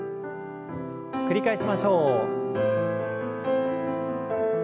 繰り返しましょう。